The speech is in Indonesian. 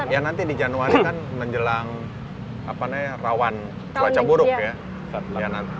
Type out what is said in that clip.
ya nanti di januari kan menjelang rawan cuaca buruk ya